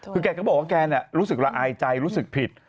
คือแกก็บอกว่าแกรู้สึกละอายใจรู้สึกผิด